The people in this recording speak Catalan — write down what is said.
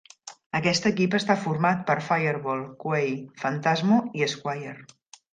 Aquest equip està format per Fireball, Kuei, Phantasmo i Squire.